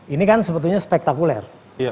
ini kan sebetulnya spektakuler